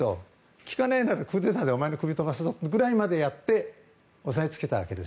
聞かないならクーデターでお前の首を飛ばすぞというぐらいまでやって抑えつけたわけです。